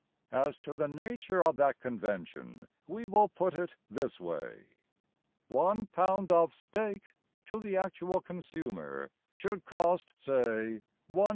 As to the nature of that convention We will put it this way: One pound of steak To the actual consumer Should cost, say, 1s.